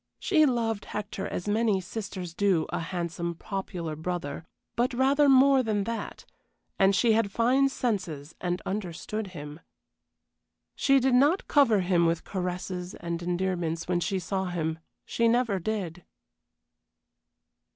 She loved Hector as many sisters do a handsome, popular brother, but rather more than that, and she had fine senses and understood him. She did not cover him with caresses and endearments when she saw him; she never did.